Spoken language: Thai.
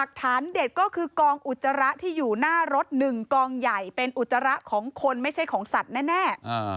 ฐานเด็ดก็คือกองอุจจาระที่อยู่หน้ารถ๑กองใหญ่เป็นอุจจาระของคนไม่ใช่ของสัตว์แน่